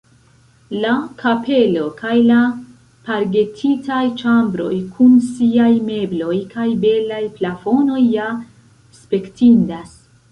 La kapelo kaj la pargetitaj ĉambroj kun siaj mebloj kaj belaj plafonoj ja spektindas.